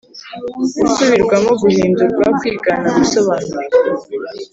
gusubirwamo guhindurwa kwigana gusobanura